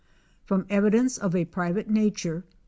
From evidence of a private nature.